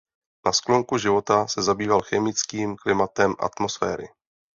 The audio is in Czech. Na sklonku života se zabýval chemickým klimatem atmosféry.